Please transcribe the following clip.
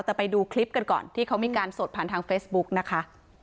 แต่ไปดูคลิปกันก่อนที่เขามีการสดผ่านทางเฟซบุ๊กนะคะ